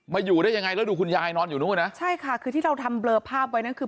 อยู่ได้ยังไงแล้วดูคุณยายนอนอยู่นู้นนะใช่ค่ะคือที่เราทำเลอภาพไว้นั่นคือ